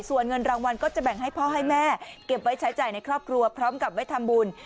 ส่วนเงินรางวัลก็จะแบ่งให้พ่อให้แม่เก็บไว้ใช้จ่ายในครอบครัวพร้อมกับไว้ทำบุญ